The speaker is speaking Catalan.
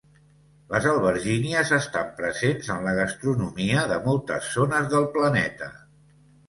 Les albergínies estan presents en la gastronomia de moltes zones del planeta.